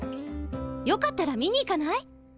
よかったら見に行かない？